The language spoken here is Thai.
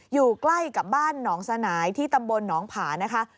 อยู่ใกล้กับบ้านหนองสนายที่ตำบลหนองผานะคะ